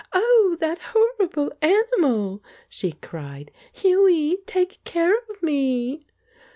"Oh, that horrible animal !" she cried. "Hughie, take care of me